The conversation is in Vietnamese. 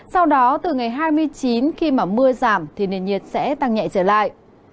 sau đó từ ngày hai mươi chín khi mưa giảm nền nhiệt sẽ tăng nhẹ trở lại